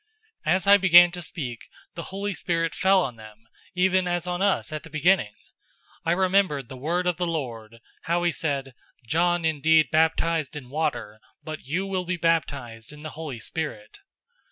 011:015 As I began to speak, the Holy Spirit fell on them, even as on us at the beginning. 011:016 I remembered the word of the Lord, how he said, 'John indeed baptized in water, but you will be baptized in the Holy Spirit.'